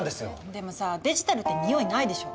でもさあデジタルって匂いないでしょ。